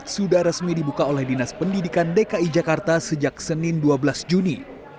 sudah resmi dibuka oleh dinas pendidikan dki jakarta sejak senin dua belas juni